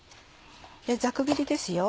ざく切りですよ